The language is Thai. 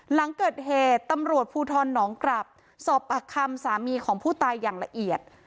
หลังเกิดเหตุตำรวจภูทรหนองกลับสอบปากคำสามีของผู้ตายอย่างละเอียด